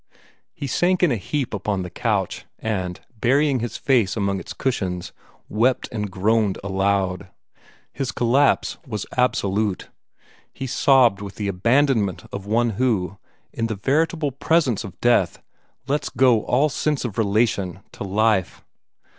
He sank in a heap upon the couch, and, burying his face among its cushions, wept and groaned aloud. His collapse was absolute. He sobbed with the abandonment of one who, in the veritable presence of death, lets go all sense of relation to life.